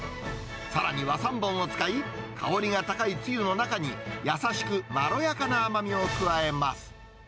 さらに和三盆を使い、香りが高いつゆの中に、優しくまろやかな甘みを加えます。